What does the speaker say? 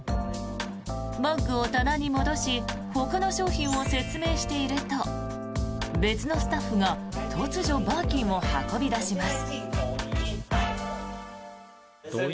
バッグを棚に戻しほかの商品を説明していると別のスタッフが突如、バーキンを運び出します。